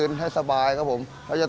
pergerak ke dalam ke sel anyone